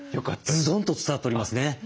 ズドンと伝わっておりますね。